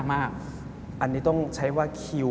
แขกเบอร์ใหญ่ของผมในวันนี้